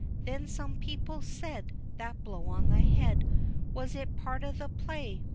Then some people said "That blow on the head Was it part of the play?